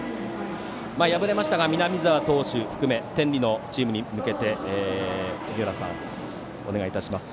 敗れましたが南澤投手を含め天理のチームに向けて杉浦さん、お願いいたします。